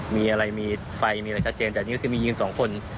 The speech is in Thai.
มีอะไรมีไฟมีอะไรชัดเจนแต่อันนี้ก็คือมียืนสองคน